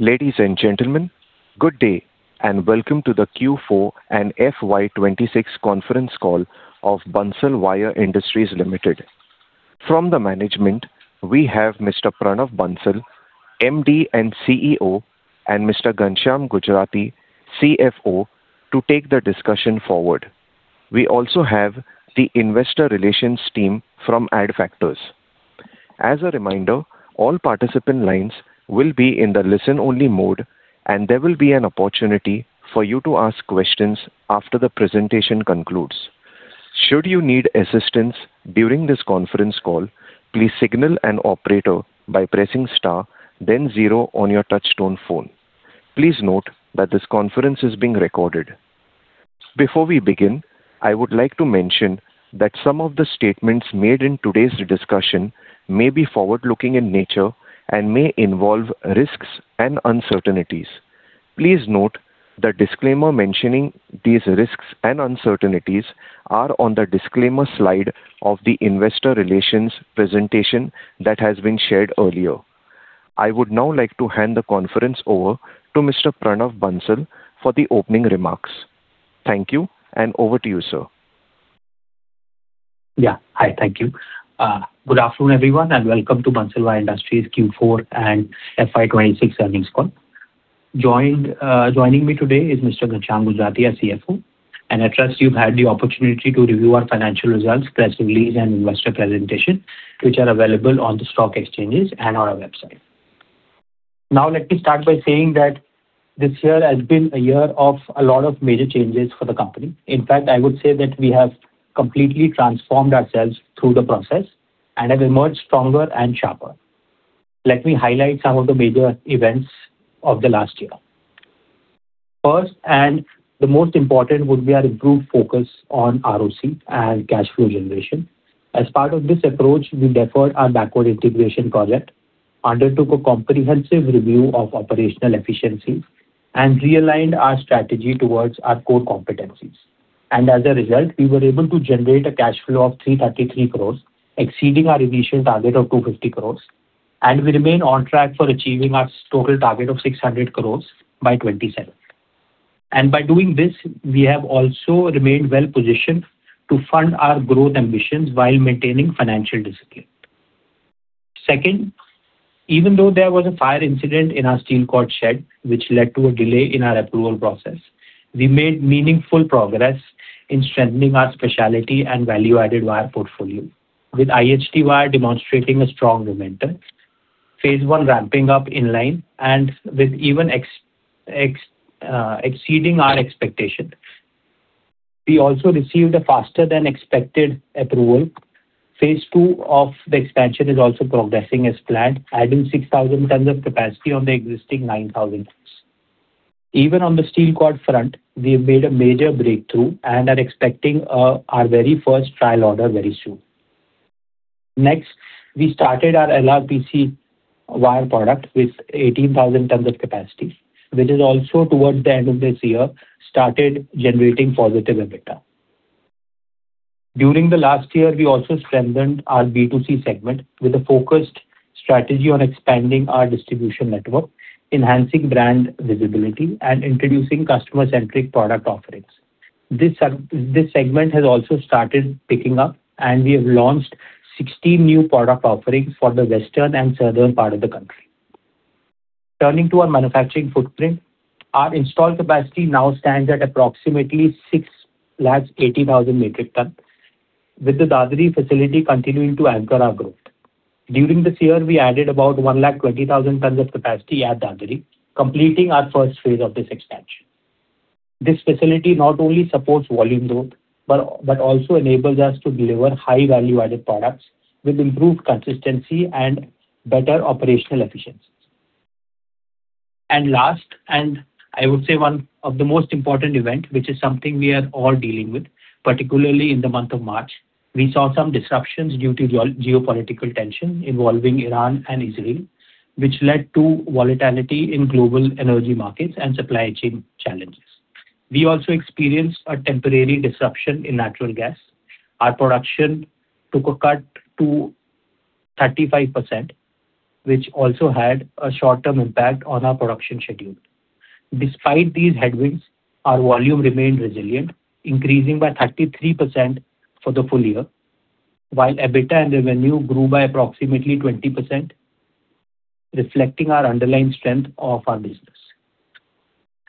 Ladies and gentlemen, good day and welcome to the Q4 and FY 2026 conference call of Bansal Wire Industries Limited. From the management, we have Mr. Pranav Bansal, MD and CEO, and Mr. Ghanshyam Gujrati, CFO, to take the discussion forward. We also have the investor relations team from Adfactors PR. As a reminder, all participant lines will be in the listen-only mode, and there will be an opportunity for you to ask questions after the presentation concludes. Should you need assistance during this conference call, please signal an operator by pressing star, then zero on your touch-tone phone. Please note that this conference is being recorded. Before we begin, I would like to mention that some of the statements made in today's discussion may be forward-looking in nature and may involve risks and uncertainties. Please note the disclaimer mentioning these risks and uncertainties are on the disclaimer slide of the investor relations presentation that has been shared earlier. I would now like to hand the conference over to Mr. Pranav Bansal for the opening remarks. Thank you, and over to you, sir. Yeah. Hi. Thank you. Good afternoon, everyone, and welcome to Bansal Wire Industries Q4 and FY 2026 earnings call. Joining me today is Mr. Ghanshyam Gujrati, our CFO. I trust you've had the opportunity to review our financial results, press release, and investor presentation, which are available on the stock exchanges and on our website. Let me start by saying that this year has been a year of a lot of major changes for the company. In fact, I would say that we have completely transformed ourselves through the process and have emerged stronger and sharper. Let me highlight some of the major events of the last year. First, the most important would be our improved focus on ROCE and cash flow generation. As part of this approach, we deferred our backward integration project, undertook a comprehensive review of operational efficiencies, and realigned our strategy towards our core competencies. As a result, we were able to generate a cash flow of 333 crore, exceeding our initial target of 250 crore, and we remain on track for achieving our total target of 600 crore by 2027. By doing this, we have also remained well-positioned to fund our growth ambitions while maintaining financial discipline. Second, even though there was a fire incident in steel cord shed, which led to a delay in our approval process, we made meaningful progress in strengthening our specialty and value-added wire portfolio. With IHT wire demonstrating a strong momentum, phase one ramping up in line and with even exceeding our expectation. We also received a faster than expected approval. Phase two of the expansion is also progressing as planned, adding 6,000 tons of capacity on the existing 9,000 tons. Even on steel cord front, we have made a major breakthrough and are expecting our very first trial order very soon. We started our LRPC wire product with 18,000 tons of capacity, which is also towards the end of this year, started generating positive EBITDA. During the last year, we also strengthened our B2C segment with a focused strategy on expanding our distribution network, enhancing brand visibility, and introducing customer-centric product offerings. This segment has also started picking up, and we have launched 16 new product offerings for the western and southern part of the country. Turning to our manufacturing footprint, our installed capacity now stands at approximately 680,000 metric tons, with the Dadri facility continuing to anchor our growth. During this year, we added about 120,000 tons of capacity at Dadri, completing our first phase of this expansion. This facility not only supports volume growth, but also enables us to deliver high value-added products with improved consistency and better operational efficiencies. Last, and I would say one of the most important event, which is something we are all dealing with, particularly in the month of March, we saw some disruptions due to geopolitical tension involving Iran and Israel, which led to volatility in global energy markets and supply chain challenges. We also experienced a temporary disruption in natural gas. Our production took a cut to 35%, which also had a short-term impact on our production schedule. Despite these headwinds, our volume remained resilient, increasing by 33% for the full year, while EBITDA and revenue grew by approximately 20%, reflecting our underlying strength of our business.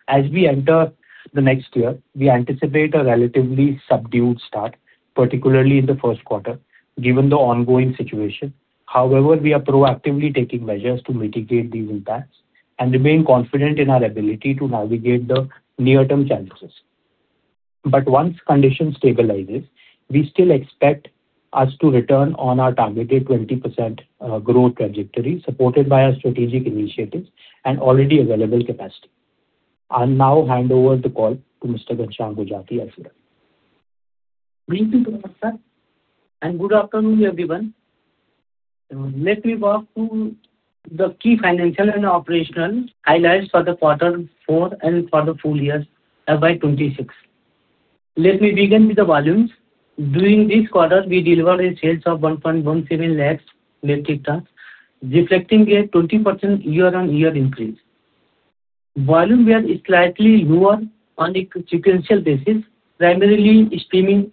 As we enter the next year, we anticipate a relatively subdued start, particularly in the first quarter, given the ongoing situation. However, we are proactively taking measures to mitigate these impacts and remain confident in our ability to navigate the near-term challenges. Once condition stabilizes, we still expect us to return on our targeted 20% growth trajectory, supported by our strategic initiatives and already available capacity. I'll now hand over the call to Mr. Ghanshyam Gujrati, our CFO. Thank you, Pranav sir, and good afternoon, everyone. Let me walk through the key financial and operational highlights for the quarter four and for the full year FY 2026. Let me begin with the volumes. During this quarter, we delivered a sales of 1.17 lakhs metric tons, reflecting a 20% year-on-year increase. Volume were slightly lower on a sequential basis, primarily stemming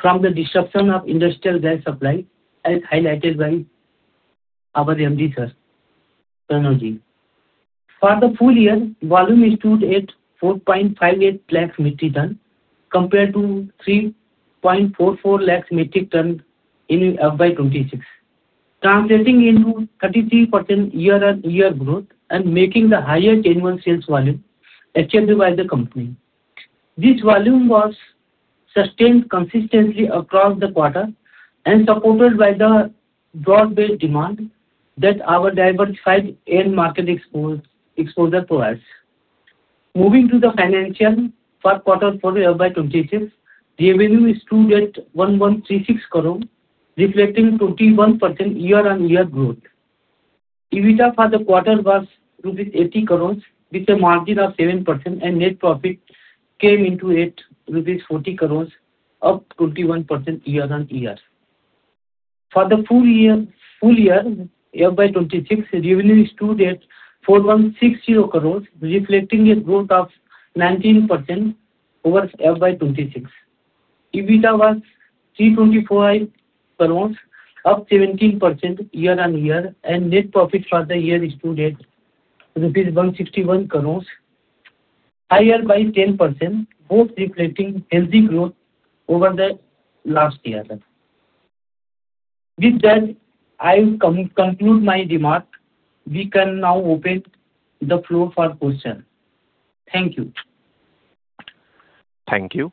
from the disruption of industrial gas supply, as highlighted by our MD, sir, Pranav-ji. For the full year, volume stood at 4.58 lakhs metric ton compared to 3.44 lakhs metric ton in FY 2026, translating into 33% year-on-year growth and making the highest ever sales volume achieved by the company. This volume was sustained consistently across the quarter, and supported by the broad-based demand that our diversified end market exposure provides. Moving to the financial, first quarter for the FY 2026, the revenue stood at 1,136 crore, reflecting 21% year-on-year growth. EBITDA for the quarter was rupees 80 crores with a margin of 7%, and net profit came into it, rupees 40 crores, up 21% year-on-year. For the full year FY 2026, revenue stood at 4,160 crores, reflecting a growth of 19% over FY 2026. EBITDA was 324 crores, up 17% year-on-year, and net profit for the year stood at rupees 161 crores, higher by 10%, both reflecting healthy growth over the last year. With that, I'll conclude my remarks. We can now open the floor for questions. Thank you. Thank you.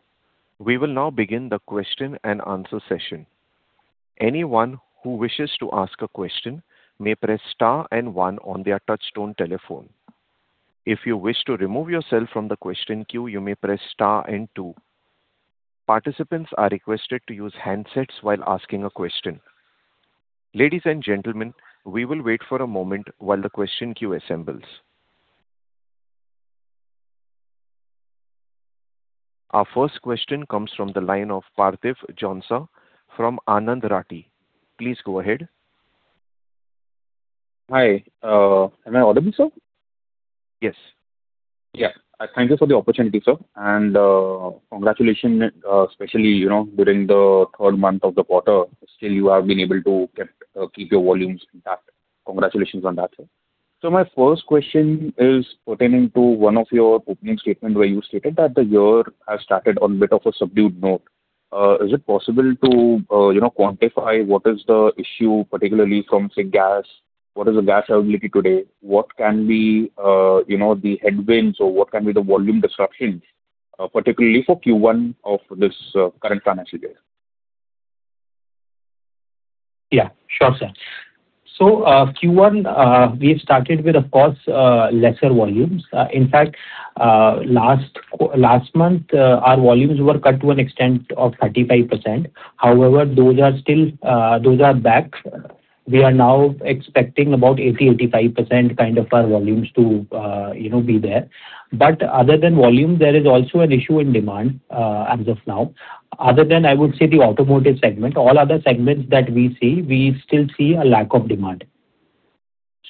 We will now begin the question-and-answer session. Anyone who wishes to ask a question may press star and one on their touch-tone telephone. If you wish to remove yourself from the question queue, you may press star and two. Participants are requested to use handsets while asking a question. Ladies and gentlemen, we will wait for a moment while the question queue assembles. Our first question comes from the line of Parthiv Jhonsa from Anand Rathi. Please go ahead. Hi. Am I audible, sir? Yes. Thank you for the opportunity, sir. Congratulation, especially, you know, during the third month of the quarter, still you have been able to keep your volumes intact. Congratulations on that, sir. My first question is pertaining to one of your opening statement where you stated that the year has started on a bit of a subdued note. Is it possible to, you know, quantify what is the issue, particularly from, say, gas? What is the gas availability today? What can be, you know, the headwinds or what can be the volume disruptions, particularly for Q1 of this current financial year? Yeah. Sure, sir. Q1, we have started with, of course, lesser volumes. In fact, last month, our volumes were cut to an extent of 35%. However, those are still, those are back. We are now expecting about 80%-85% kind of our volumes to, you know, be there. Other than volume, there is also an issue in demand as of now. Other than I would say the automotive segment, all other segments that we see, we still see a lack of demand.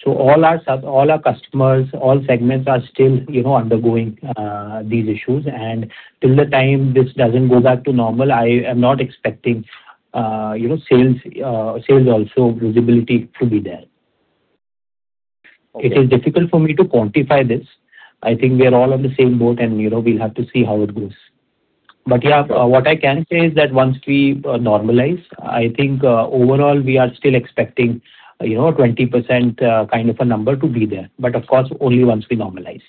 All our customers, all segments are still, you know, undergoing these issues. Till the time this doesn't go back to normal, I am not expecting, you know, sales also visibility to be there. Okay. It is difficult for me to quantify this. I think we are all on the same boat and, you know, we'll have to see how it goes. Yeah, what I can say is that once we normalize, I think, overall, we are still expecting, you know, 20%, kind of a number to be there, but of course, only once we normalize.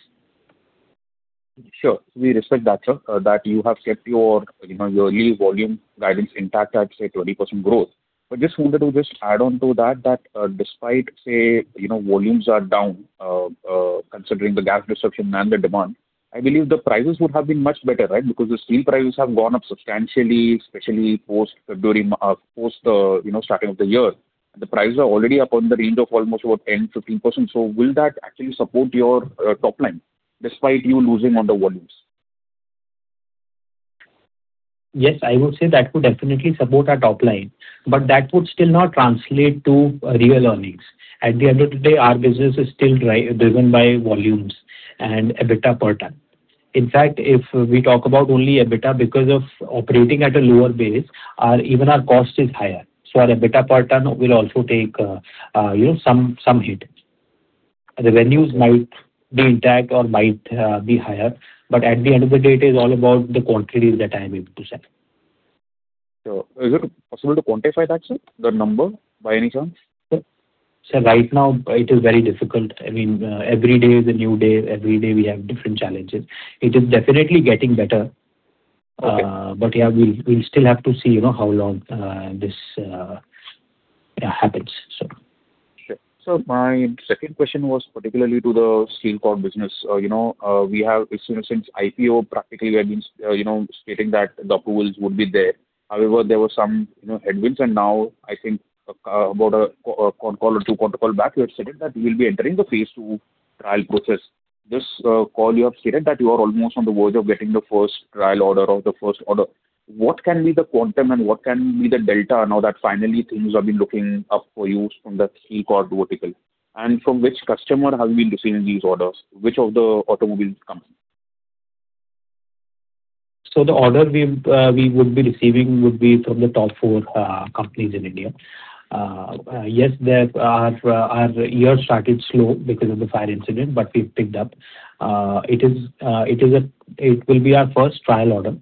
Sure. We respect that, sir, that you have kept your, you know, yearly volume guidance intact at, say, 20% growth. Just wanted to just add on to that, despite, say, you know, volumes are down, considering the gas disruption and the demand, I believe the prices would have been much better, right? Because the steel prices have gone up substantially, especially post, you know, starting of the year. The prices are already up on the range of almost about 10%-15%. Will that actually support your top-line despite you losing on the volumes? Yes, I would say that would definitely support our top-line, that would still not translate to real earnings. At the end of the day, our business is still driven by volumes and EBITDA per ton. In fact, if we talk about only EBITDA, because of operating at a lower base, our, even our cost is higher. Our EBITDA per ton will also take, you know, some hit. The revenues might be intact or might be higher, at the end of the day, it is all about the quantities that I am able to sell. Is it possible to quantify that, sir? The number by any chance? Sir, right now it is very difficult. I mean, every day is a new day. Every day we have different challenges. It is definitely getting better. Okay. Yeah, we'll still have to see, you know, how long, this, yeah, happens, sir. Sure. My second question was particularly steel cord business. since, you know, since IPO, practically we have been, you know, stating that the approvals would be there. However, there were some, you know, headwinds and now I think, about a quarter call or two quarter call back, you had stated that we'll be entering the phase two trial process. This call you have stated that you are almost on the verge of getting the first trial order or the first order. What can be the quantum and what can be the delta now that finally things have been looking up for you from steel cord vertical? From which customer have you been receiving these orders? Which of the automobile companies? The order we've, we would be receiving would be from the top four companies in India. Yes, there, our year started slow because of the fire incident, but we've picked up. It will be our first trial order.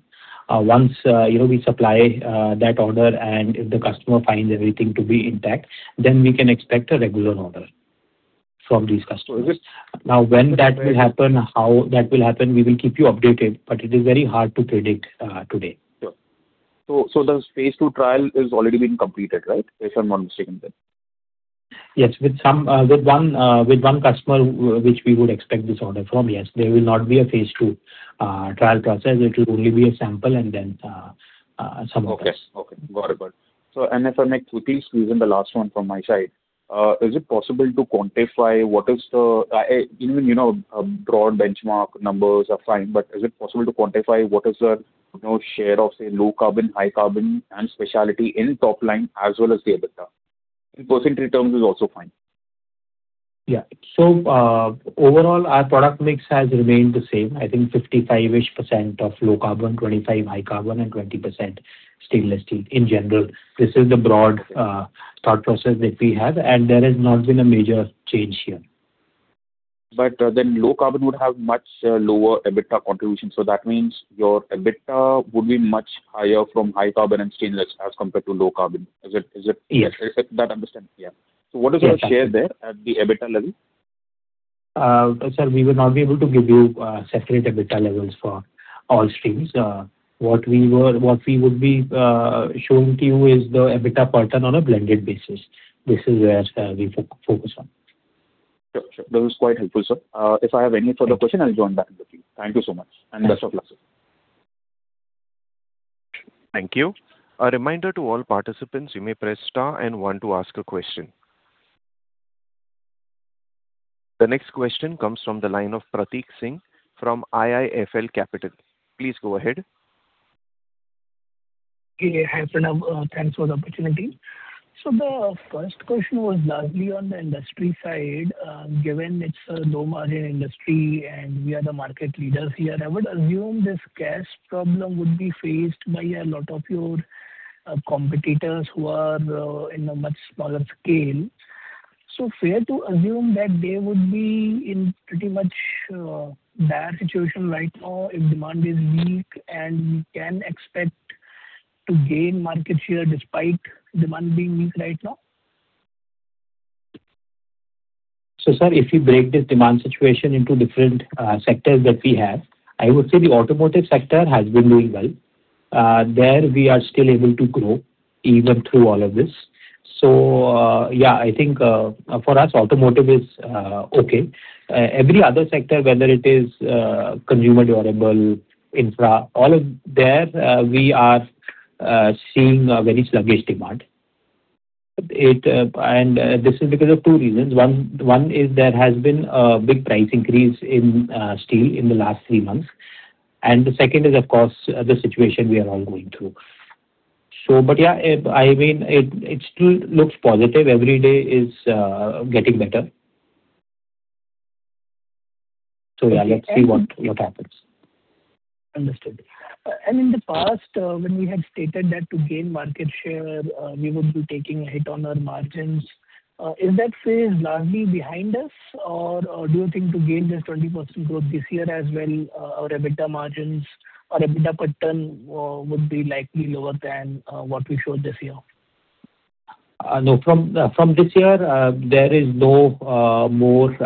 Once, you know, we supply that order and if the customer finds everything to be intact, then we can expect a regular order from these customers. Okay. When that will happen, how that will happen, we will keep you updated, but it is very hard to predict, today. Sure. The phase two trial is already been completed, right? If I'm not mistaken then. Yes. With some, with one, with one customer which we would expect this order from, yes. There will not be a phase two trial process. It will only be a sample and then some tests. Okay. Okay. Got it. Got it. And if I may quickly squeeze in the last one from my side. Is it possible to quantify what is the even, you know, a broad benchmark numbers are fine, but is it possible to quantify what is the, you know, share of say low carbon, high carbon and specialty in top-line as well as the EBITDA? In percentage terms is also fine. Yeah. Overall our product mix has remained the same. I think 55-ish% of low carbon, 25% high carbon, and 20% stainless steel. In general, this is the broad thought process that we have, and there has not been a major change here. Low carbon would have much lower EBITDA contribution, so that means your EBITDA would be much higher from high carbon and stainless as compared to low carbon. Is it? Yes. Is it that understand? Yeah. Sure. What is your share there at the EBITDA level? Sir, we will not be able to give you separate EBITDA levels for all streams. What we were, what we would be showing to you is the EBITDA pattern on a blended basis. This is where we focus on. Sure. Sure. That was quite helpful, sir. If I have any further question, I'll join back with you. Thank you so much. Sure. Best of luck, sir. Thank you. A reminder to all participants, you may press star and one to ask a question. The next question comes from the line of Prateek Singh from IIFL Capital. Please go ahead. Hey, hi, Pranav. Thanks for the opportunity. The first question was largely on the industry side. Given it's a low margin industry and we are the market leaders here, I would assume this cash problem would be faced by a lot of your competitors who are in a much smaller scale. Fair to assume that they would be in pretty much dire situation right now if demand is weak and we can expect to gain market share despite demand being weak right now. Sir, if you break this demand situation into different sectors that we have, I would say the automotive sector has been doing well. There we are still able to grow even through all of this. Yeah, I think, for us automotive is okay. Every other sector, whether it is consumer durable, infra, all of there, we are seeing a very sluggish demand. This is because of two reasons. One is there has been a big price increase in steel in the last three months. The second is, of course, the situation we are all going through. Yeah, I mean, it still looks positive. Every day is getting better. Yeah, let's see what happens. Understood. In the past, when we had stated that to gain market share, we would be taking a hit on our margins, is that phase largely behind us or do you think to gain this 20% growth this year as well, our EBITDA margins or EBITDA pattern would be likely lower than what we showed this year? No. From this year, there is no more,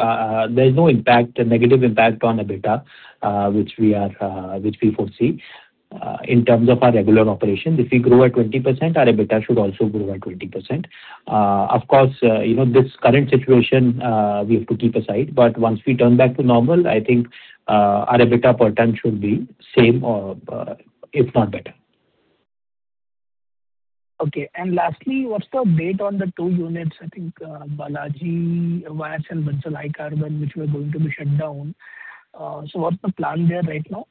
there's no impact, negative impact on EBITDA, which we are, which we foresee, in terms of our regular operation. If we grow at 20%, our EBITDA should also grow at 20%. Of course, you know, this current situation, we have to keep aside, but once we turn back to normal, I think, our EBITDA pattern should be same or, if not better. Okay. Lastly, what's the update on the two units, I think, Balaji Wire and Bansal High Carbon, which were going to be shut down. What's the plan there right now?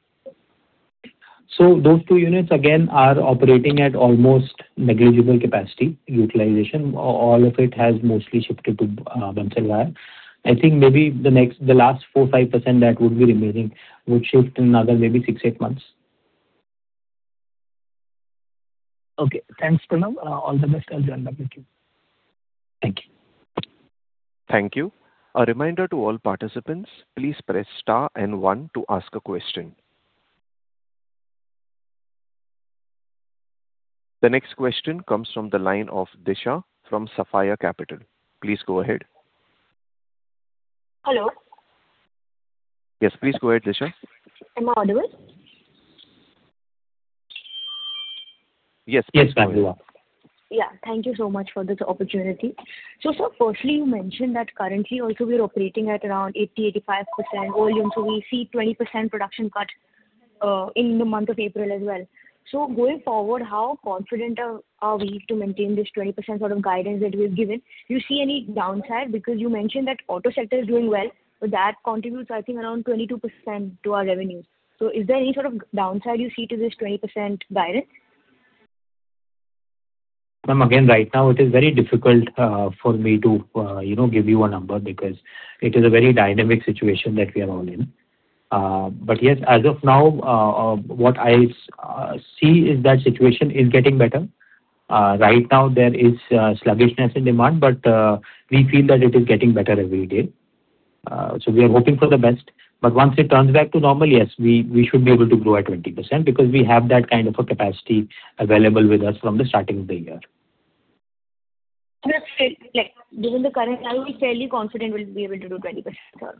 Those two units again are operating at almost negligible capacity utilization. All of it has mostly shifted to Bansal Wire. I think maybe the next, the last 4%-5% that would be remaining would shift in another maybe six to eight months. Okay. Thanks, Pranav. All the best. I'll join back with you. Thank you. Thank you. A reminder to all participants, please press star and one to ask a question. The next question comes from the line of Disha from Sapphire Capital. Please go ahead. Hello. Yes, please go ahead, Disha. Am I audible? Yes, please go ahead. Yes, ma'am. Go on. Yeah. Thank you so much for this opportunity. Sir, firstly you mentioned that currently also we're operating at around 80%-85% volume, so we see 20% production cut in the month of April as well. Going forward, how confident are we to maintain this 20% sort of guidance that we've given? Do you see any downside? You mentioned that auto sector is doing well, but that contributes I think around 22% to our revenues. Is there any sort of downside you see to this 20% guidance? Ma'am, again, right now it is very difficult for me to, you know, give you a number because it is a very dynamic situation that we are all in. Yes, as of now, what I see is that situation is getting better. Right now there is sluggishness in demand, but we feel that it is getting better every day. We are hoping for the best. Once it turns back to normal, yes, we should be able to grow at 20% because we have that kind of a capacity available with us from the starting of the year. Just, like, given the current time, we're fairly confident we'll be able to do 20% growth?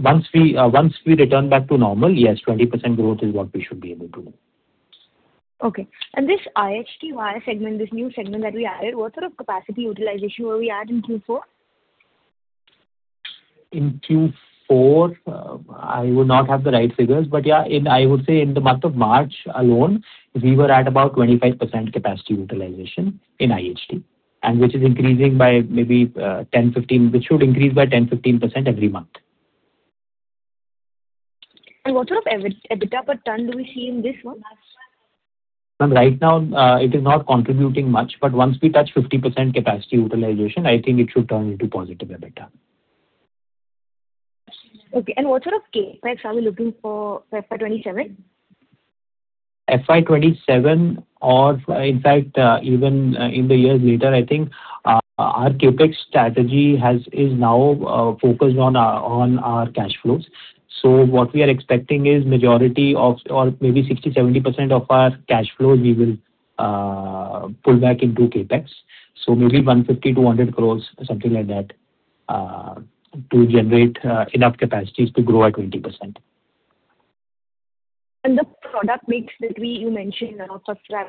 Once we, once we return back to normal, yes, 20% growth is what we should be able to do. Okay. This IHT wire segment, this new segment that we added, what sort of capacity utilization were we at in Q4? In Q4, I would not have the right figures, but yeah, in, I would say in the month of March alone, we were at about 25% capacity utilization in IHT. Which should increase by 10%-15% every month. What sort of EBITDA per ton do we see in this one? Ma'am, right now, it is not contributing much, but once we touch 50% capacity utilization, I think it should turn into positive EBITDA. Okay. What sort of CapEx are we looking for FY 2027? FY 2027 or, in fact, even in the years later, I think, our CapEx strategy is now focused on our cash flows. What we are expecting is majority of, or maybe 60%-70% of our cash flows we will pull back into CapEx. Maybe 150 crores-200 crores, something like that, to generate enough capacities to grow at 20%. The product mix that you mentioned, of, 55%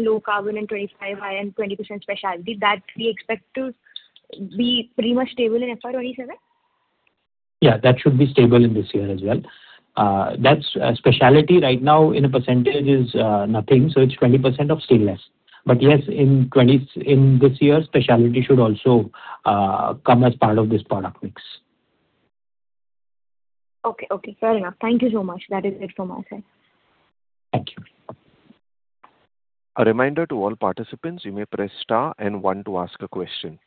low carbon and 25% high and 20% specialty, that we expect to be pretty much stable in FY 2027? Yeah, that should be stable in this year as well. That's specialty right now in a percentage is nothing, so it's 20% of stainless. Yes, in this year, specialty should also come as part of this product mix. Okay. Okay, fair enough. Thank you so much. That is it from my side. Thank you. A reminder to all participants, you may press star and one to ask a question.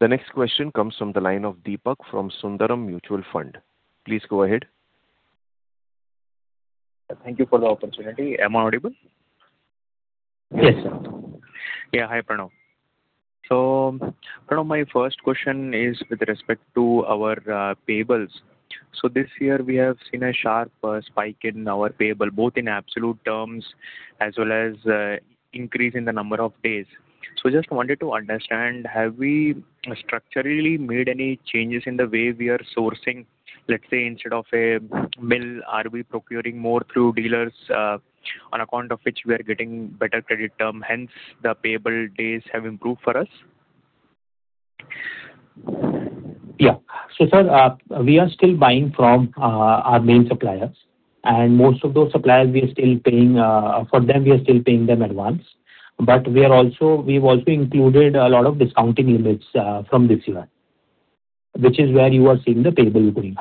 The next question comes from the line of Deepak from Sundaram Mutual Fund. Please go ahead. Thank you for the opportunity. Am I audible? Yes. Yeah. Hi, Pranav. Pranav, my first question is with respect to our payables. This year we have seen a sharp spike in our payable, both in absolute terms as well as increase in the number of days. Just wanted to understand, have we structurally made any changes in the way we are sourcing? Let's say instead of a mill, are we procuring more through dealers, on account of which we are getting better credit term, hence the payable days have improved for us? Yeah. Sir, we are still buying from our main suppliers, and most of those suppliers we are still paying for them, we are still paying them advance. We are also, we've also included a lot of discounting limits from this year, which is where you are seeing the payable going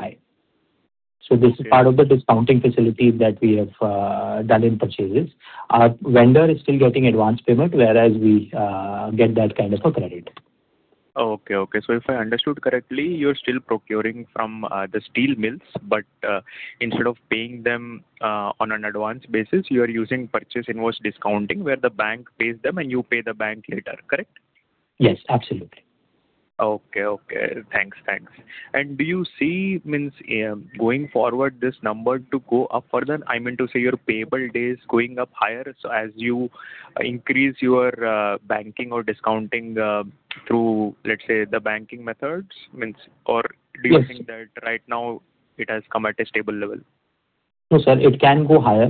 high. This is part of the discounting facility that we have done in purchases. Our vendor is still getting advance payment, whereas we get that kind of a credit. Okay. Okay. If I understood correctly, you're still procuring from the steel mills, but instead of paying them on an advance basis, you are using purchase invoice discounting, where the bank pays them and you pay the bank later. Correct? Yes, absolutely. Okay. Okay. Thanks. Thanks. Do you see, going forward, this number to go up further? I mean to say your payable days going up higher as you increase your banking or discounting through, let's say, the banking methods? Yes. Do you think that right now it has come at a stable level? No, sir, it can go higher.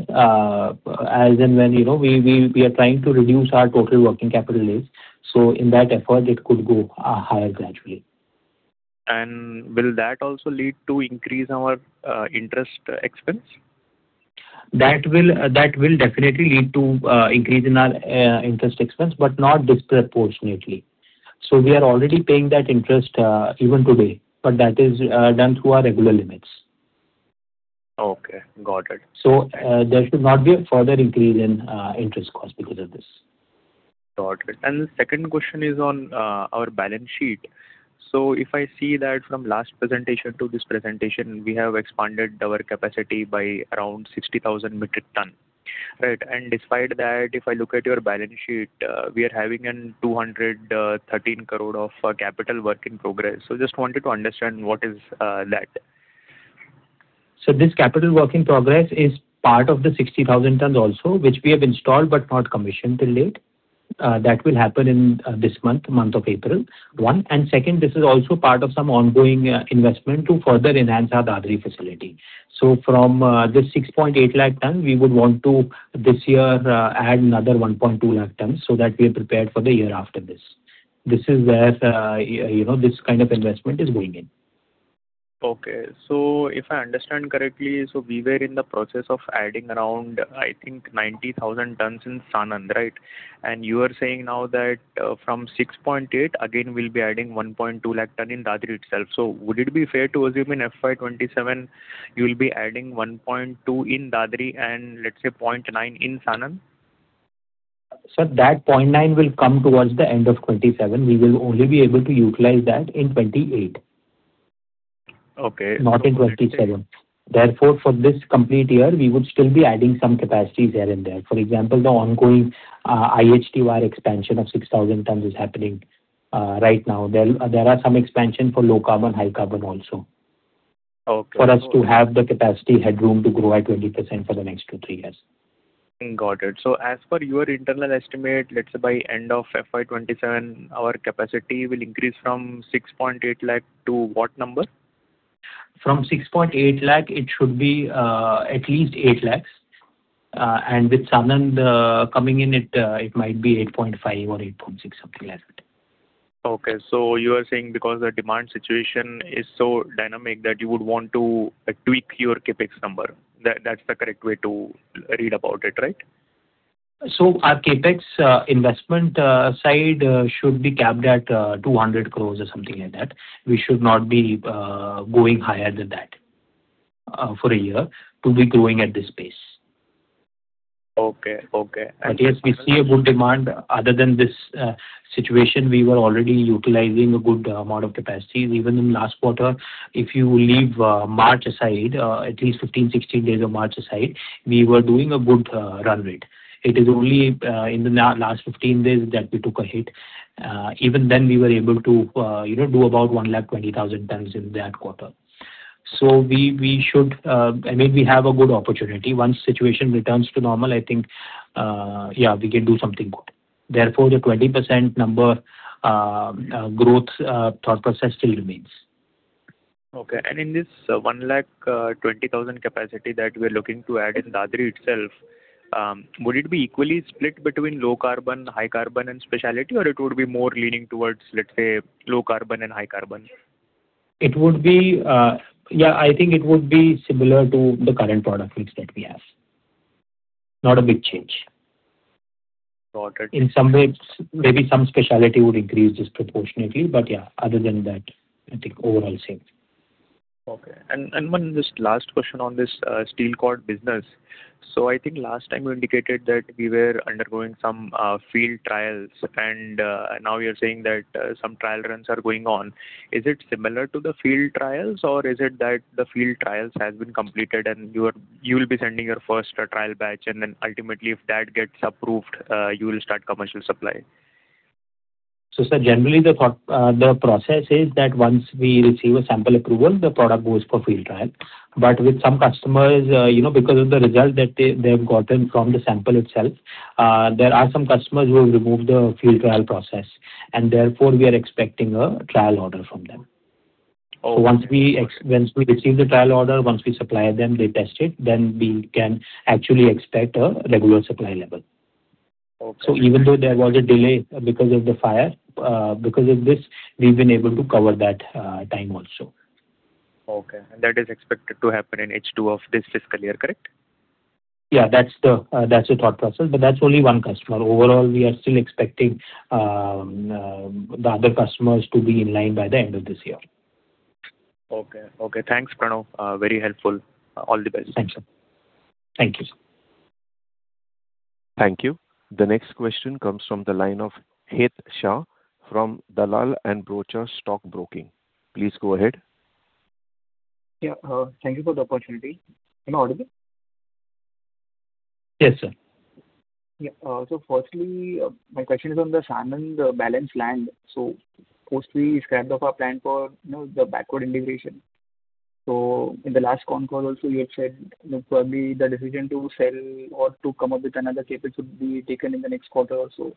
As in when, you know, we are trying to reduce our total working capital days, so in that effort it could go higher gradually. Will that also lead to increase our interest expense? That will definitely lead to increase in our interest expense, but not disproportionately. We are already paying that interest even today, but that is done through our regular limits. Okay, got it. There should not be a further increase in interest cost because of this. Got it. The second question is on our balance sheet. If I see that from last presentation to this presentation, we have expanded our capacity by around 60,000 metric ton, right? Despite that, if I look at your balance sheet, we are having an 213 crores of capital work in progress. Just wanted to understand what is that? This capital work in progress is part of the 60,000 tons also, which we have installed but not commissioned till date. That will happen in this month of April, one. Second, this is also part of some ongoing investment to further enhance our Dadri facility. From this 6.8 lakh tons, we would want to this year add another 1.2 lakh tons so that we are prepared for the year after this. This is where, you know, this kind of investment is going in. Okay. If I understand correctly, so we were in the process of adding around, I think 90,000 tons in Sanand, right? And you are saying now that, from 6.8 lakh tons, again, we'll be adding 1.2 lakh tons in Dadri itself. Would it be fair to assume in FY 2027 you'll be adding 1.2 lakh tons in Dadri and let's say 0.9 lakh tons in Sanand? Sir, that 0.9 lakh tons will come towards the end of 2027. We will only be able to utilize that in 2028. Okay. Not in 2027. For this complete year, we would still be adding some capacities here and there. For example, the ongoing IHT Wire expansion of 6,000 tons is happening right now. There are some expansion for low carbon, high carbon also- Okay.... for us to have the capacity headroom to grow at 20% for the next two, three years. Got it. As per your internal estimate, let's say by end of FY 2027, our capacity will increase from 6.8 lakh to what number? From 6.8 lakh, it should be at least 8 lakhs. With Sanand coming in it might be 8.5 lakh or 8.6 lakh, something like that. Okay. you are saying because the demand situation is so dynamic that you would want to, like, tweak your CapEx number. That's the correct way to read about it, right? Our CapEx investment side should be capped at 200 crores or something like that. We should not be going higher than that for a year to be growing at this pace. Okay. Okay. At least we see a good demand other than this situation. We were already utilizing a good amount of capacity. Even in last quarter, if you leave March aside, at least 15, 16 days of March aside, we were doing a good run rate. It is only in the last 15 days that we took a hit. Even then we were able to, you know, do about 120,000 tons in that quarter. We should, I mean, we have a good opportunity. Once situation returns to normal, I think, yeah, we can do something good. Therefore, the 20% number growth thought process still remains. Okay. In this 120,000 tons capacity that we're looking to add in Dadri itself, would it be equally split between low carbon, high carbon and specialty, or it would be more leaning towards, let's say, low carbon and high carbon? It would be, yeah, I think it would be similar to the current product mix that we have. Not a big change. Got it. In some ways, maybe some specialty would increase disproportionately, but yeah, other than that, I think overall same. Okay. and one this last question on steel cord business. I think last time you indicated that we were undergoing some field trials and now you're saying that some trial runs are going on. Is it similar to the field trials or is it that the field trials has been completed and you'll be sending your first trial batch and then ultimately if that gets approved, you will start commercial supply? Sir, generally the thought, the process is that once we receive a sample approval, the product goes for field trial. With some customers, you know, because of the result that they have gotten from the sample itself, there are some customers who have removed the field trial process, and therefore we are expecting a trial order from them. Oh, okay. Once we receive the trial order, once we supply them, they test it, then we can actually expect a regular supply level. Okay. Even though there was a delay because of the fire, because of this, we've been able to cover that time also. Okay. That is expected to happen in H2 of this fiscal year, correct? Yeah, that's the, that's the thought process, but that's only one customer. Overall, we are still expecting, the other customers to be in line by the end of this year. Okay. Okay. Thanks, Pranav. Very helpful. All the best. Thanks, sir. Thank you, sir. Thank you. The next question comes from the line of Het Shah from Dalal & Broacha Stock Broking. Please go ahead. Yeah. Thank you for the opportunity. Am I audible? Yes, sir. Yeah. Firstly, my question is on the Sanand balance land. Firstly, you scrapped off our plan for, you know, the backward integration. In the last con call also you had said, you know, probably the decision to sell or to come up with another CapEx would be taken in the next quarter or so.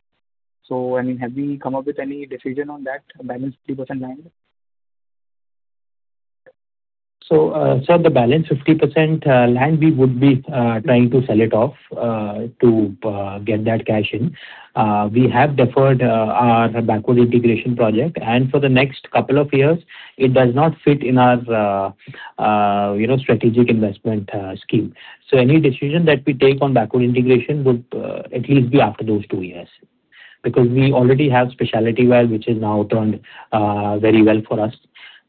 I mean, have we come up with any decision on that balance 50% land? Sir, the balance 50% land, we would be trying to sell it off to get that cash in. We have deferred our backward integration project, and for the next couple of years, it does not fit in our, you know, strategic investment scheme. Any decision that we take on backward integration would at least be after those two years. Because we already have specialty wire, which has now turned very well for us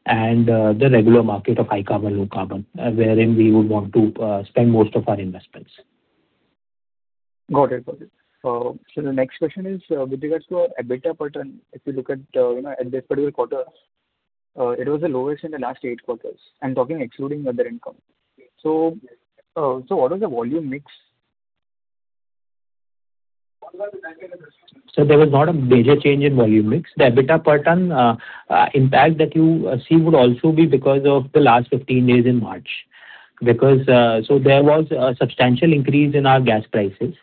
and the regular market of high carbon, low carbon, wherein we would want to spend most of our investments. Got it. Got it. The next question is with regards to EBITDA per ton. If you look at this particular quarter, it was the lowest in the last eight quarters. I am talking excluding other income. What was the volume mix? Sir, there was not a major change in volume mix. The EBITDA per ton impact that you see would also be because of the last 15 days in March. There was a substantial increase in our gas prices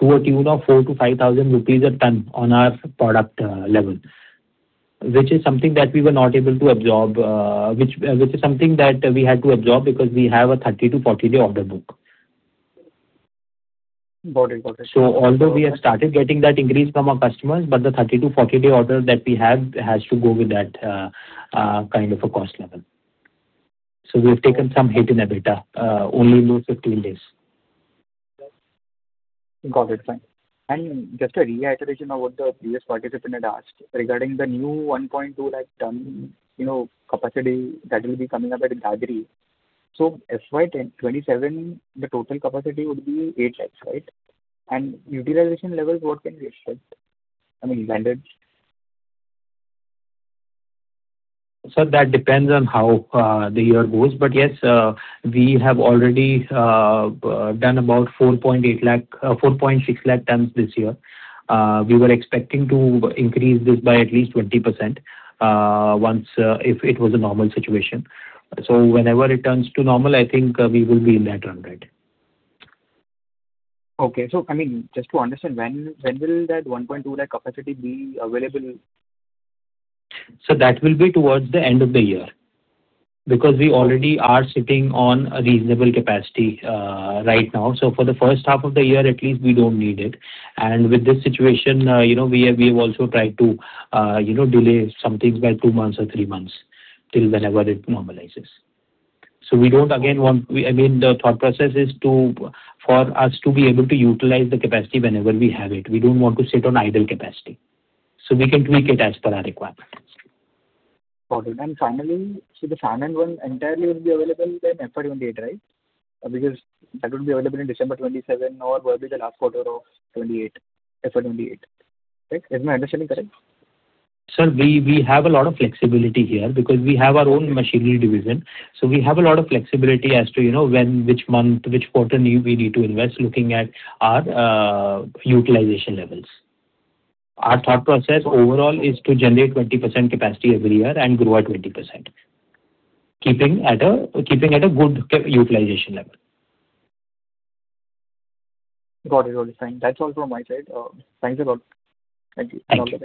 to a tune of 4,000-5,000 rupees a ton on our product level, which is something that we were not able to absorb, which is something that we had to absorb because we have a 30 to 40-day order book. Got it. Got it. Although we have started getting that increase from our customers, but the 30 to 40-day order that we have has to go with that kind of a cost level. We've taken some hit in EBITDA only in those 15 days. Got it. Fine. Just a reiteration of what the previous participant had asked regarding the new 1.2 lakh ton, you know, capacity that will be coming up at Dadri. FY 2027, the total capacity would be 8 lakh ton, right? Utilization levels, what can we expect? I mean, standards. Sir, that depends on how the year goes. Yes, we have already done about 4.8 lakh, 4.6 lakh tons this year. We were expecting to increase this by at least 20% once if it was a normal situation. Whenever it turns to normal, I think we will be in that run rate. Okay. I mean, just to understand, when will that 1.2 lakh ton capacity be available? That will be towards the end of the year because we already are sitting on a reasonable capacity right now. For the first half of the year at least, we don't need it. With this situation, you know, we have also tried to, you know, delay some things by two months or three months till whenever it normalizes. I mean, the thought process is to, for us to be able to utilize the capacity whenever we have it. We don't want to sit on idle capacity, so we can tweak it as per our requirements. Got it. Finally, the Sanand one entirely will be available then FY 2028, right? That will be available in December 2027 or will be the last quarter of 2028, FY 2028. Right? Is my understanding correct? Sir, we have a lot of flexibility here because we have our own machinery division, so we have a lot of flexibility as to, you know, when, which month, which quarter we need to invest looking at our utilization levels. Our thought process overall is to generate 20% capacity every year and grow at 20%, keeping at a good utilization level. Got it. Got it. Fine. That's all from my side. Thanks a lot. Thank you. Thank you.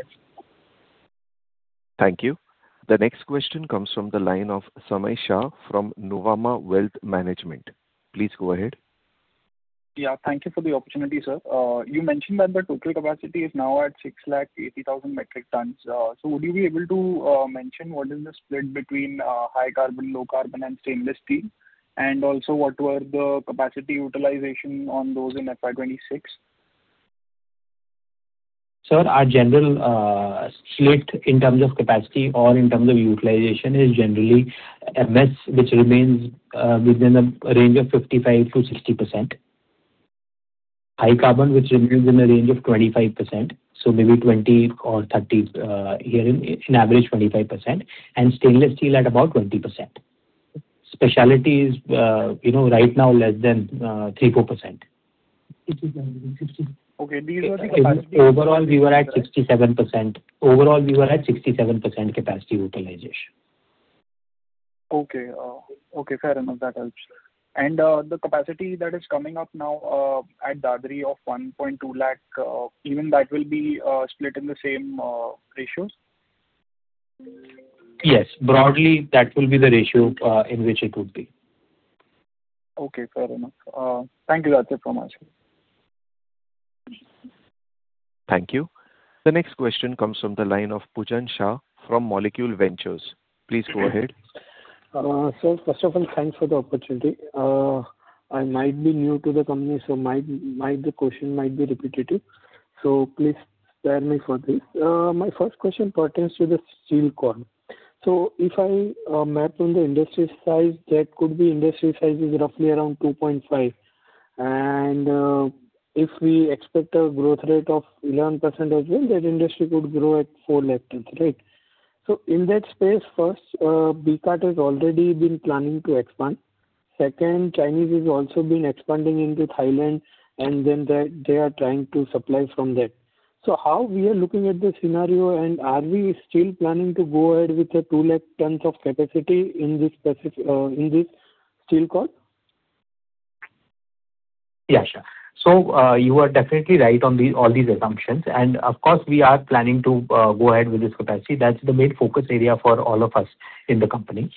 All the best. Thank you. The next question comes from the line of Samay Shah from Nuvama Wealth Management. Please go ahead. Yeah, thank you for the opportunity, sir. You mentioned that the total capacity is now at 680,000 metric tons. Would you be able to mention what is the split between high carbon, low carbon and stainless steel? What were the capacity utilization on those in FY 2026? Sir, our general split in terms of capacity or in terms of utilization is generally MS, which remains within a range of 55%-60%. High Carbon, which remains in a range of 25%, so maybe 20% or 30%, here in average 25%, and Stainless Steel at about 20%. Specialty is, you know, right now less than 3%, 4%. Okay. Overall, we were at 67%. Overall, we were at 67% capacity utilization. Okay. Okay, fair enough. That helps. The capacity that is coming up now at Dadri of 1.2 lakh tons, even that will be split in the same ratios? Yes. Broadly, that will be the ratio in which it would be. Okay, fair enough. Thank you. That's it from my side. Thank you. The next question comes from the line of Pujan Shah from Molecule Ventures. Please go ahead. First of all, thanks for the opportunity. I might be new to the company, so the question might be repetitive, so please spare me for this. My first question pertains to steel cord. if I map on the industry size, that could be industry size is roughly around 2.5 lakh tons. If we expect a growth rate of 11% as well, that industry could grow at 4 lakh tons, right? In that space, first, Bekaert has already been planning to expand. Second, Chinese has also been expanding into Thailand, and then they are trying to supply from there. How we are looking at the scenario, and are we still planning to go ahead with the 2 lakh tons of capacity in this steel cord? Yeah, sure. You are definitely right on the, all these assumptions. Of course, we are planning to go ahead with this capacity. That's the main focus area for all of us in the company.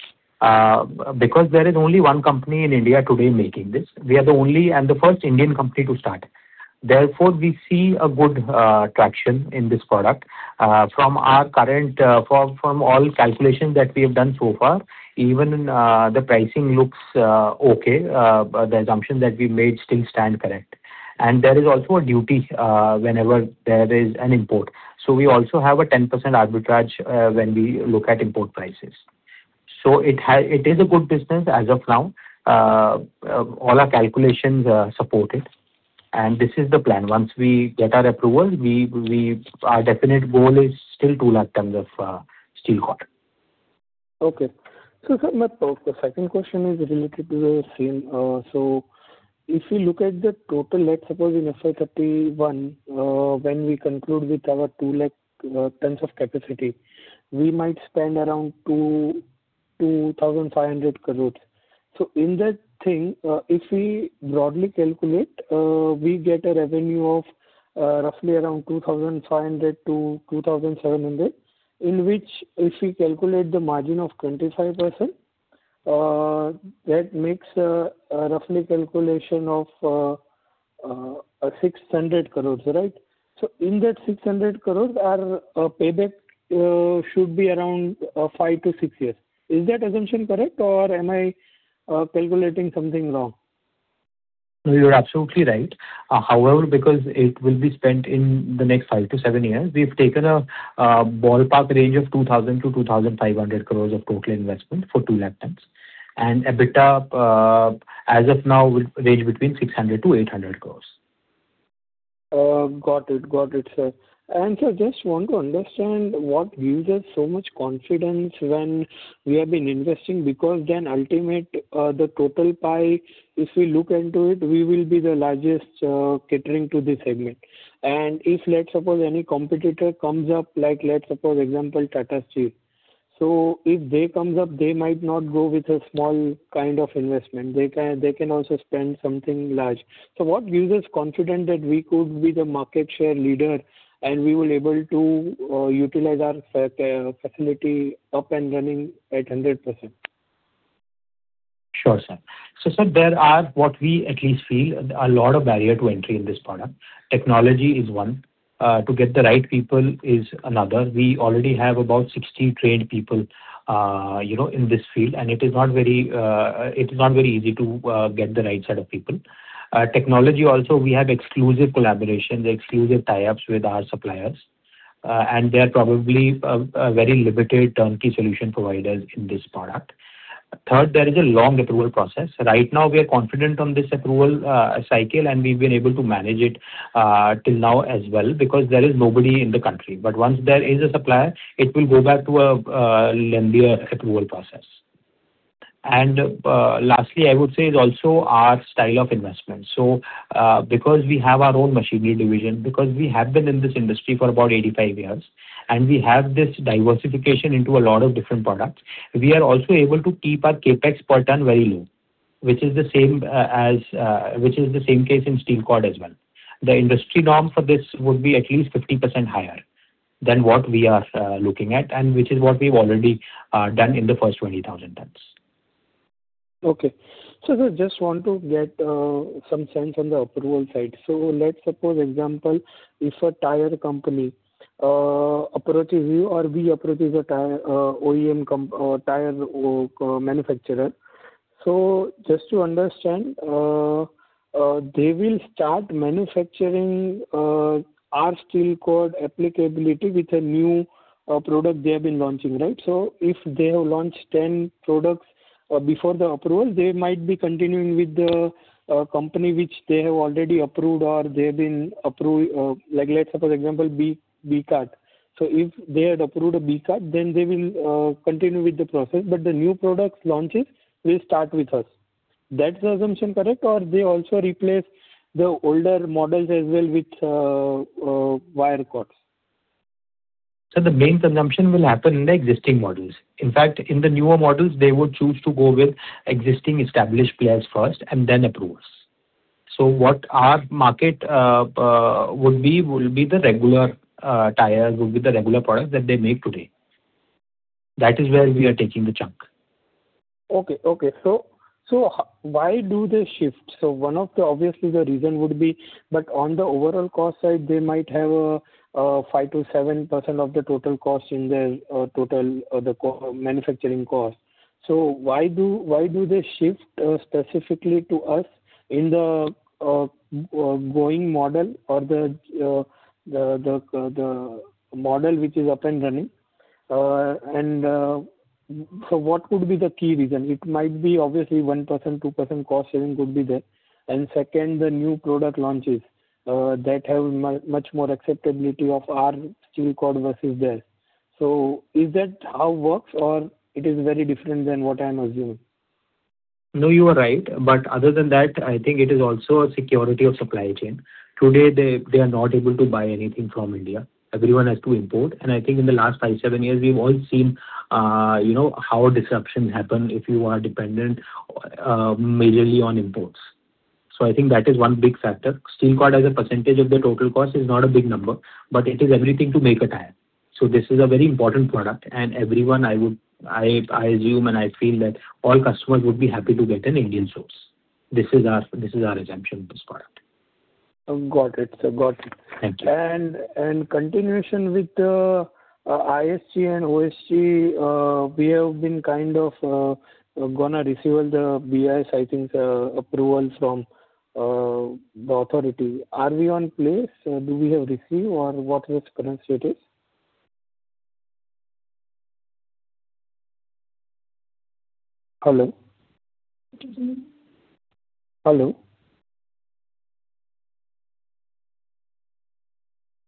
Because there is only one company in India today making this. We are the only and the first Indian company to start. We see a good traction in this product. From our current, from all calculations that we have done so far, even the pricing looks okay. The assumption that we made still stand correct. There is also a duty whenever there is an import. We also have a 10% arbitrage when we look at import prices. It is a good business as of now. All our calculations support it. This is the plan. Once we get our approval, our definite goal is still 2 lakh tons of steel cord. Okay. Sir, my the second question is related to the same. If we look at the total, let's suppose in FY 2031, when we conclude with our 2 lakh tons of capacity, we might spend around 2,500 crores. In that thing, if we broadly calculate, we get a revenue of roughly around 2,500-2,700, in which if we calculate the margin of 25%, that makes a roughly calculation of 600 crores, right? In that 600 crores, our payback should be around five to six years. Is that assumption correct, or am I calculating something wrong? No, you're absolutely right. However, because it will be spent in the next five to seven years, we've taken a ballpark range of 2,000 crores-2,500 crores of total investment for 2 lakh tons. EBITDA as of now will range between 600 crores-800 crores. Got it. Got it, sir. Sir, just want to understand what gives us so much confidence when we have been investing, because then ultimate, the total pie, if we look into it, we will be the largest, catering to this segment. If let's suppose any competitor comes up, like let's suppose example Tata Steel. If they come up, they might not go with a small kind of investment. They can, they can also spend something large. So what gives us confidence that we could be the market share leader and we will be able to utilize our facility up and running at 100%? Sure, sir. Sir, there are what we at least feel a lot of barrier to entry in this product. Technology is one, to get the right people is another. We already have about 60 trained people, you know, in this field, and it is not very easy to get the right set of people. Technology also, we have exclusive collaboration, the exclusive tie-ups with our suppliers, and they're probably a very limited turnkey solution providers in this product. Third, there is a long approval process. Right now we are confident on this approval cycle, and we've been able to manage it till now as well because there is nobody in the country. Once there is a supplier, it will go back to a lengthier approval process. Lastly, I would say is also our style of investment. Because we have our own machinery division, because we have been in this industry for about 85 years, and we have this diversification into a lot of different products, we are also able to keep our CapEx per ton very low, which is the same case steel cord as well. The industry norm for this would be at least 50% higher than what we are looking at, and which is what we've already done in the first 20,000 tons. Okay. Sir, just want to get some sense on the approval side. Let's suppose, example, if a tire company approaches you or we approach as a tire manufacturer. Just to understand, they will start manufacturing steel cord applicability with a new product they have been launching, right? If they have launched 10 products before the approval, they might be continuing with the company which they have already approved or they've been approved, like let's suppose example Bekaert. If they had approved a Bekaert, then they will continue with the process, but the new products launches will start with us. That's the assumption, correct? Or they also replace the older models as well with wire cords? The main consumption will happen in the existing models. In fact, in the newer models, they would choose to go with existing established players first and then approve us. What our market would be, would be the regular tires, would be the regular products that they make today. That is where we are taking the chunk. Okay. Why do they shift? One of the obviously the reason would be, but on the overall cost side, they might have a 5%-7% of the total cost in their total the co-manufacturing cost. Why do they shift specifically to us in the going model or the model which is up and running? What could be the key reason? It might be obviously 1%, 2% cost saving could be there. Second, the new product launches that have much more acceptability of steel cord versus theirs. Is that how it works or it is very different than what I'm assuming? No, you are right. Other than that, I think it is also a security of supply chain. Today, they are not able to buy anything from India. Everyone has to import. I think in the last five, seven years, we've all seen, you know, how disruptions happen if you are dependent, majorly on imports. I think that is one big steel cord as a percentage of the total cost is not a big number, but it is everything to make a tire. This is a very important product and everyone I would assume, and I feel that all customers would be happy to get an Indian source. This is our assumption of this product. Got it, sir. Got it. Thank you. Continuation with ISG and OSG, we have been kind of gonna receive all the BIS, I think, approval from the authority. Are we on place? Do we have received or what current status? Hello?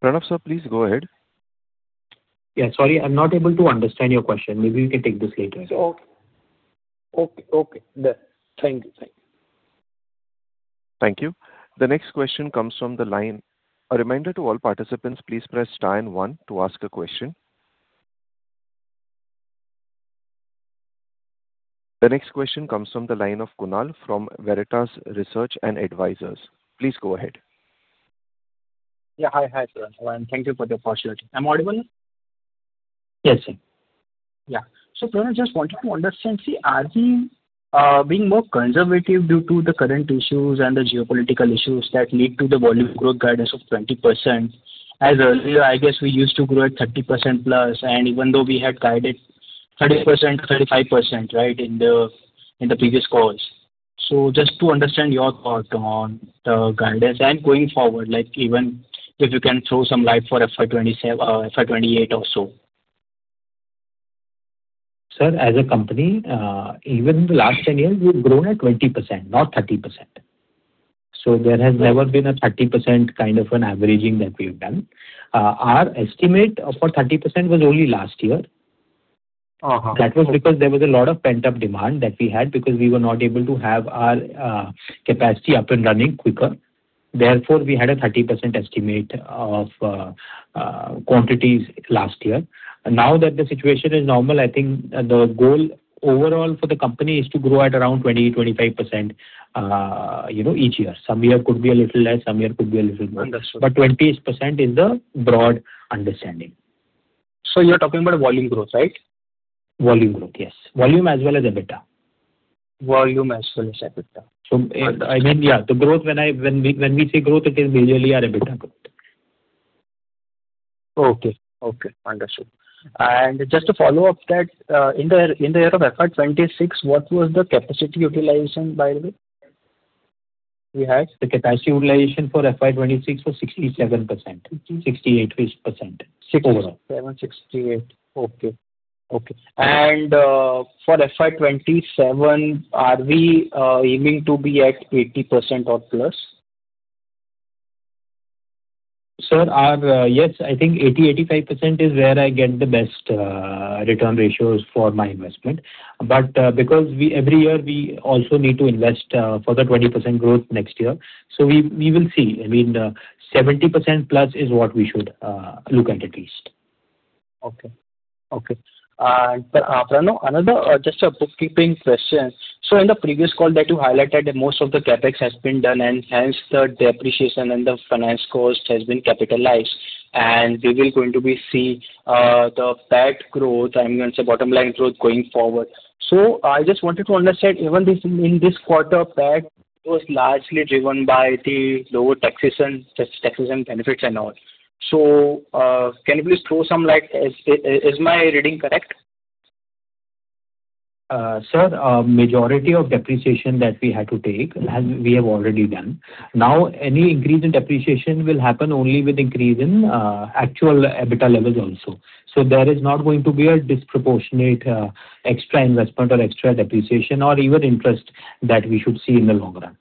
Pranav, sir, please go ahead. Yeah, sorry, I'm not able to understand your question. Maybe we can take this later. Okay. Okay. Okay. Done. Thank you. Thank you. Thank you. A reminder to all participants, please press star and one to ask a question. The next question comes from the line of Kunal from Veritas Research and Advisors. Please go ahead. Yeah. Hi. Hi, Pranav, and thank you for the opportunity. Am I audible? Yes, sir. Pranav, just wanted to understand, see, are we being more conservative due to the current issues and the geopolitical issues that lead to the volume growth guidance of 20%? As earlier, I guess we used to grow at 30%+, and even though we had guided 30%-35%, right, in the previous calls. Just to understand your thought on the guidance and going forward, like even if you can throw some light for FY 2027, FY 2028 also. Sir, as a company, even in the last 10 years, we've grown at 20%, not 30%. There has never been a 30% kind of an averaging that we've done. Our estimate for 30% was only last year. That was because there was a lot of pent-up demand that we had because we were not able to have our capacity up and running quicker. Therefore, we had a 30% estimate of quantities last year. Now that the situation is normal, I think the goal overall for the company is to grow at around 20%-25%, you know, each year. Some year could be a little less, some year could be a little more. Understood. 20% is the broad understanding. You're talking about volume growth, right? Volume growth, yes. Volume as well as EBITDA. Volume as well as EBITDA. I mean, yeah, the growth when we say growth, it is majorly our EBITDA growth. Okay. Okay. Understood. Just to follow up that, in the year of FY 2026, what was the capacity utilization, by the way? We had the capacity utilization for FY 2026 was 67%. 68% overall. 67%, 68%. Okay. Okay. For FY 2027, are we aiming to be at 80% or plus? Sir, our, yes, I think 80%-85% is where I get the best return ratios for my investment. Because every year we also need to invest for the 20% growth next year. We will see. I mean, 70%+ is what we should look at at least. Okay. Okay. Pranav, another, just a bookkeeping question. In the previous call that you highlighted that most of the CapEx has been done, and hence the depreciation and the finance cost has been capitalized, and we will going to be see the PAT growth, I mean, say bottom line growth going forward. I just wanted to understand, even this, in this quarter PAT was largely driven by the lower taxation benefits and all. Can you please throw some light, is my reading correct? Sir, majority of depreciation that we had to take, as we have already done. Any increase in depreciation will happen only with increase in actual EBITDA levels also. There is not going to be a disproportionate extra investment or extra depreciation or even interest that we should see in the long run.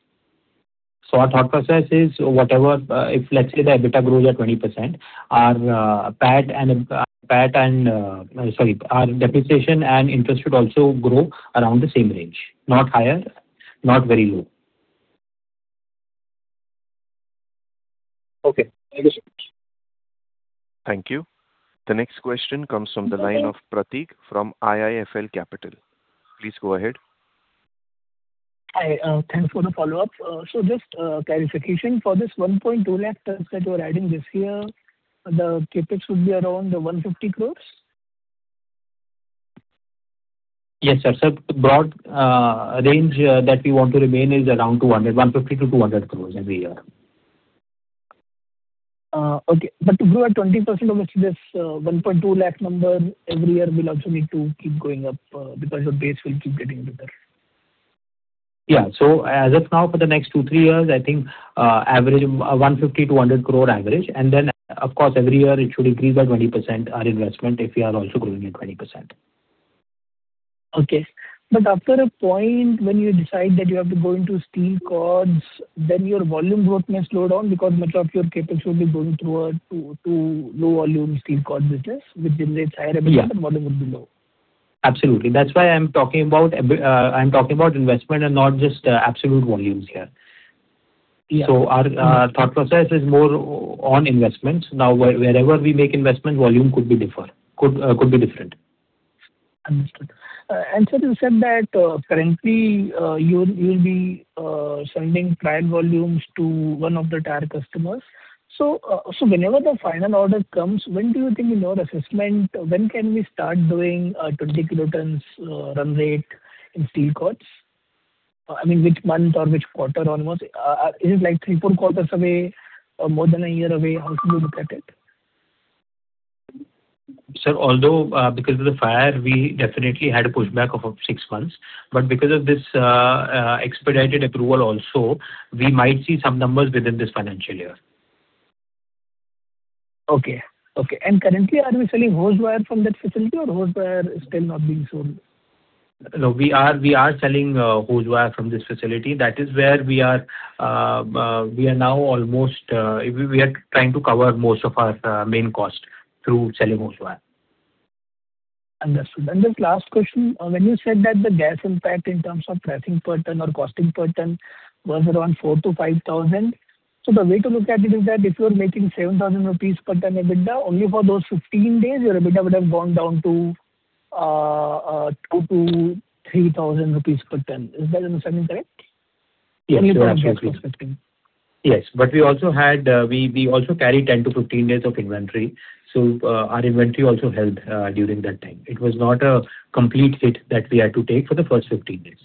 Our thought process is whatever, if let's say the EBITDA grows at 20%, our PAT and, sorry, our depreciation and interest should also grow around the same range. Not higher, not very low. Okay. Thank you so much. Thank you. The next question comes from the line of Prateek from IIFL Capital. Please go ahead. Hi. Thanks for the follow-up. Just clarification, for this 1.2 lakh tons that you are adding this year, the CapEx would be around 150 crores? Yes, sir. Broad range that we want to remain is around 200 crores, 150 crores-200 crores every year. Okay. To grow at 20% obviously this 1.2 lakh number every year will also need to keep going up because your base will keep getting bigger. Yeah. As of now, for the next two, three years, I think, average of 150 crores, 200 crores average. Of course every year it should increase by 20% our investment if we are also growing at 20%. Okay. After a point when you decide that you have to go steel cords, then your volume growth may slow down because much of your CapEx will be going toward low steel cord business, which generates higher- Yeah.... EBITDA but volume would be low. Absolutely. That's why I'm talking about investment and not just absolute volumes here. Yeah. Our thought process is more on investment. Now, wherever we make investment, volume could be different. Understood. Sir you said that, currently, you'll be sending trial volumes to one of the tire customers. So whenever the final order comes, when do you think, in your assessment, when can we start doing 20,000 tons run rate steel cord? i mean, which month or which quarter almost? Is it like three, four quarters away or more than a year away? How could we look at it? Sir, although, because of the fire we definitely had a pushback of up six months. Because of this, expedited approval also, we might see some numbers within this financial year. Okay. Okay. Currently are we selling hose wire from that facility or hose wire is still not being sold? No, we are selling hose wire from this facility. That is where we are now almost, we are trying to cover most of our main cost through selling hose wire. Understood. Just last question. When you said that the gas impact in terms of pricing per ton or costing per ton was around 4,000-5,000, so the way to look at it is that if you're making 7,000 rupees per ton EBITDA, only for those 15 days your EBITDA would have gone down to 2,000-3,000 rupees per ton. Is that understanding correct? Yes, you are absolutely correct. You would have lost INR 15. Yes. We also had, we also carried 10 to 15 days of inventory. Our inventory also helped during that time. It was not a complete hit that we had to take for the first 15 days.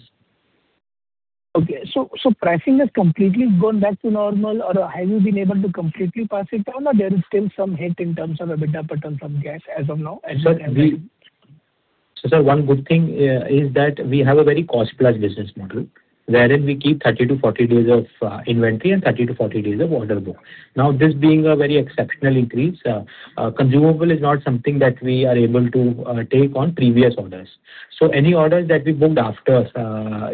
Okay. Pricing has completely gone back to normal or have you been able to completely pass it down or there is still some hit in terms of EBITDA but on some gas as of now? Sir, one good thing is that we have a very cost-plus business model wherein we keep 30-40 days of inventory and 30-40 days of order book. This being a very exceptional increase, consumable is not something that we are able to take on previous orders. Any orders that we booked after,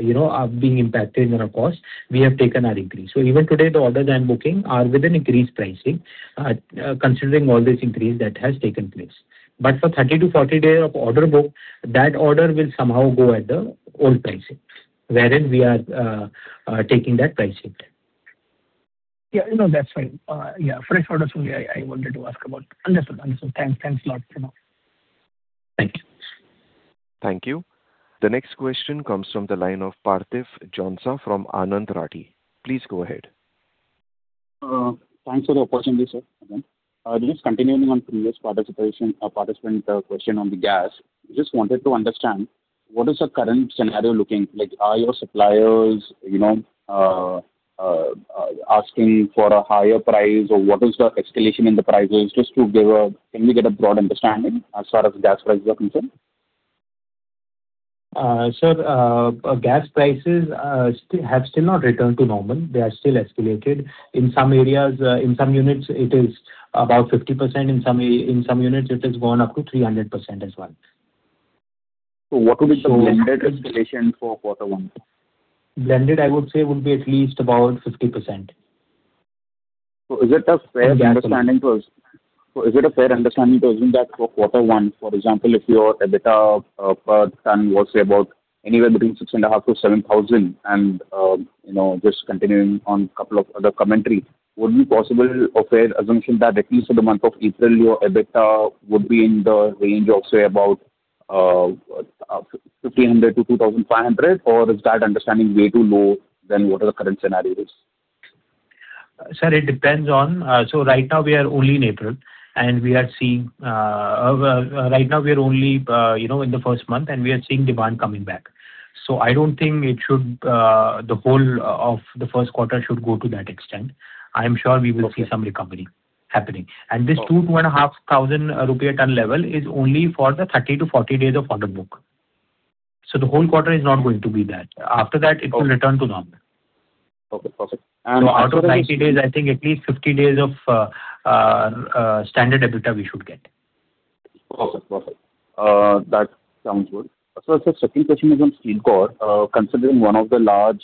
you know, are being impacted on our cost, we have taken our increase. Even today, the orders I am booking are with an increased pricing, considering all this increase that has taken place. For 30-40 day of order book, that order will somehow go at the old pricing, wherein we are taking that price hit. Yeah, no, that's fine. Yeah, fresh orders only I wanted to ask about. Understood. Understood. Thanks. Thanks a lot, Pranav. Thank you. Thank you. The next question comes from the line of Parthiv Jhonsa from Anand Rathi. Please go ahead. Thanks for the opportunity, sir. Again, just continuing on previous participation, participant, question on the gas. Just wanted to understand what is the current scenario looking like? Are your suppliers, you know, asking for a higher price or what is the escalation in the prices? Can we get a broad understanding as far as gas prices are concerned? Gas prices have still not returned to normal. They are still escalated. In some areas, in some units it is about 50%. In some units it has gone up to 300% as well. What will be the blended escalation for quarter one? Blended, I would say would be at least about 50%. Is it a fair understanding to assume that for quarter one, for example, if your EBITDA per ton was say about anywhere between 6,500-7,000 and, you know, just continuing on couple of other commentary, would it be possible a fair assumption that at least for the month of April, your EBITDA would be in the range of, say, about 1,500-2,500 or is that understanding way too low than what the current scenario is? Sir, it depends on. Right now we are only in April, and we are seeing, you know, in the first month and we are seeing demand coming back. I don't think it should, the whole of the first quarter should go to that extent. I'm sure we will see some recovery happening. This 2,000-2,500 rupee ton level is only for the 30-40 days of order book. The whole quarter is not going to be that. After that it will return to normal. Okay. Perfect. Out of 90 days, I think at least 50 days of standard EBITDA we should get. Perfect. Perfect. That sounds good. Sir, second question is steel cord. Considering one of the large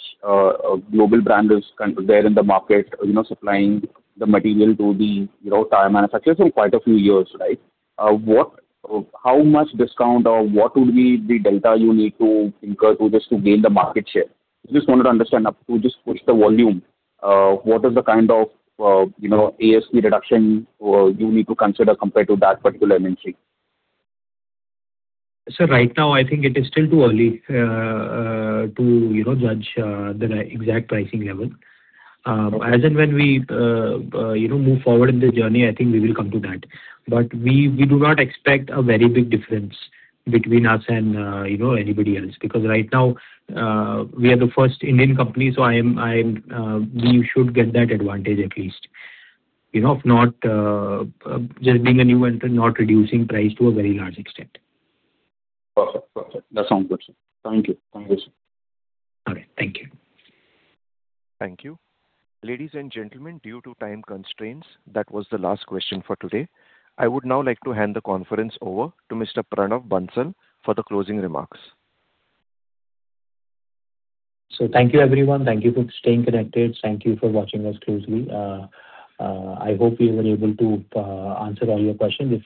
global brand is there in the market, you know, supplying the material to the, you know, tire manufacturers for quite a few years, right? What, how much discount or what would be the delta you need to incur to just to gain the market share? Just wanted to understand up to just push the volume, what is the kind of, you know, ASP reduction you need to consider compared to that particular MNC? Sir, right now I think it is still too early, to, you know, judge, the exact pricing level. As and when we, you know, move forward in the journey, I think we will come to that. We, we do not expect a very big difference between us and, you know, anybody else, because right now, we are the first Indian company, so I am, we should get that advantage at least. You know, if not, just being a new entrant, not reducing price to a very large extent. Perfect. Perfect. That sounds good, sir. Thank you. Thank you, sir. Okay. Thank you. Thank you. Ladies and gentlemen, due to time constraints, that was the last question for today. I would now like to hand the conference over to Mr. Pranav Bansal for the closing remarks. Thank you, everyone. Thank you for staying connected. Thank you for watching us closely. I hope we were able to answer all your questions. If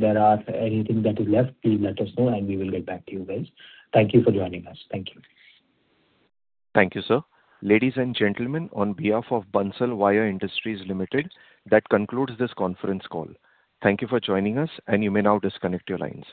there are anything that is left, please let us know and we will get back to you guys. Thank you for joining us. Thank you. Thank you, sir. Ladies and gentlemen, on behalf of Bansal Wire Industries Limited, that concludes this conference call. Thank you for joining us, and you may now disconnect your lines.